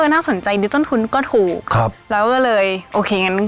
น่าสนใจดูต้นทุนก็ถูกครับแล้วก็เลยโอเคงั้น